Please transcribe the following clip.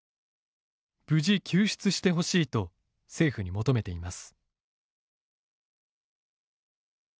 無事救出してほしいと政府に求めています。